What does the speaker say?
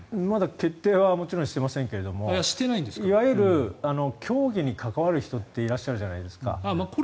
まだ決定はもちろんしていませんけれどいわゆる競技に関わる人っていらっしゃるじゃないですか。